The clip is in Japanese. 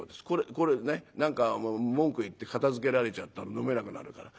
これでね何か文句言って片づけられちゃったら飲めなくなるから。